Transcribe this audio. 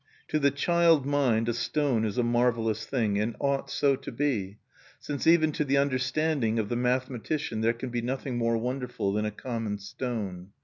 To the child mind a stone is a marvelous thing, and ought so to be, since even to the understanding of the mathematician there can be nothing more wonderful than a common stone.